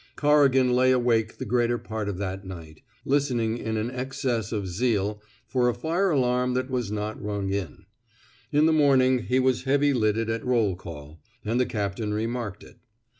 Corrigan lay awake the greater part of that night, listening in an excess of zeal for a fire alarm that was not rung in; in the morning, he was heavy eyed at roll call, and the captain remarked it.